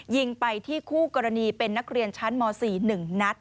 ยิงไปที่คู่กรณีเป็นนักเรียนชั้นม๔๑นัด